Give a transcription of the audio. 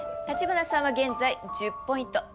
橘さんは現在１０ポイント。